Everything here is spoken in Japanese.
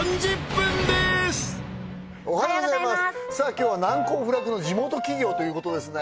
今日は難攻不落の地元企業ということですね